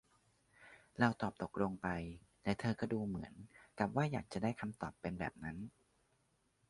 เราตอบตกลงไป และเธอก็ดูเหมือนกับว่าอยากจะให้คำตอบเป็นแบบนั้น